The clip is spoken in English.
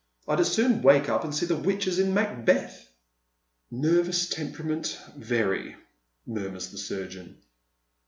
I'd as soon wake up and Bee the witches in ' Macbeth.' "" Nervous temperament, very," murmurs the surgeon.